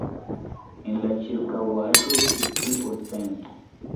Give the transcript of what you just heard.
En la ĉirkaŭaĵo estis pli ol cent.